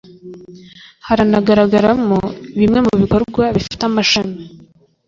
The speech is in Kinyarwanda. haranagaragaramo bimwe mu bikorwa bifite amashami